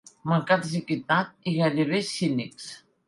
Mancats d'equitat i gairebé cínics.